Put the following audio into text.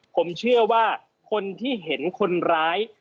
ผมเชื่อว่าคนที่เห็นคนร้าย